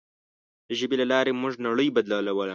د ژبې له لارې موږ نړۍ بدلوله.